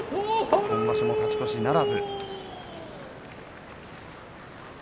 今場所も勝ち越しならず。